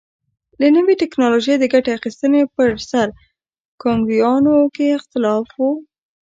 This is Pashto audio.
له نوې ټکنالوژۍ د ګټې اخیستنې پر سر کانګویانو کې اختلاف و.